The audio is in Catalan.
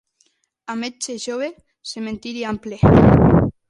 A metge jove, cementiri ample.